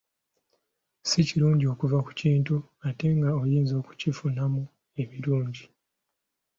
Si kirungi okuva ku kintu ate nga oyinza okukifunamu ebirungi.